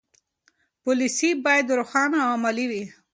پالیسي باید روښانه او عملي وي.